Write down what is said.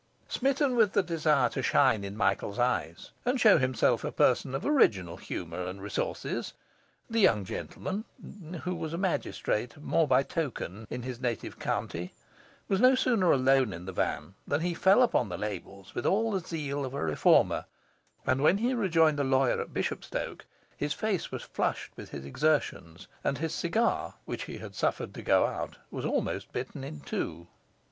Smitten with the desire to shine in Michael's eyes and show himself a person of original humour and resources, the young gentleman (who was a magistrate, more by token, in his native county) was no sooner alone in the van than he fell upon the labels with all the zeal of a reformer; and, when he rejoined the lawyer at Bishopstoke, his face was flushed with his exertions, and his cigar, which he had suffered to go out was almost bitten in two.